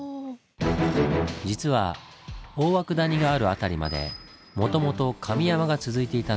実は大涌谷がある辺りまでもともと神山が続いていたんです。